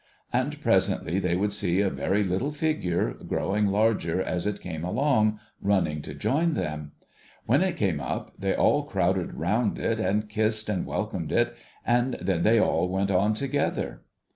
' And presently they would see a very little figure, growing larger as it came along, running to join them. When it came up, they all crowded round it, and kissed and welcomed it ; and then they all went on together.